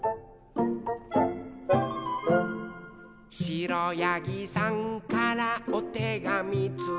「しろやぎさんからおてがみついた」